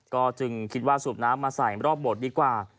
ก็จึงคิดว่าสูบน้ำมาใส่รอบโบสถ์ดีกว่า